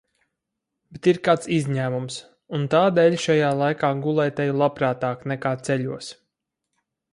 Bet ir kāds izņēmums. Un tā dēļ šajā laikā gulēt eju labprātāk, nekā ceļos.